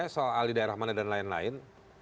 soal di daerah mana dan lain lain